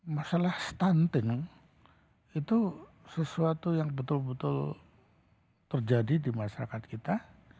masalah stunting itu sesuatu yang betul betul terjadi di masyarakat kita